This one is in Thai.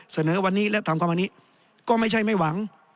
เสนอวันนี้และทำความวันนี้ก็ไม่ใช่ไม่หวัง